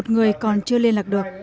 một mươi một người còn chưa liên lạc được